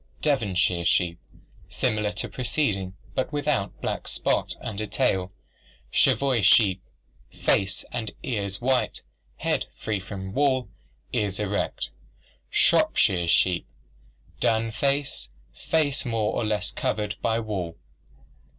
Devonshire sheep, similar to preceding but without black spot under tail. Cheviot sheep, face and ears white, head free from wool, ears erect. Shropshire sheep, dun face, face more or less covered by wool.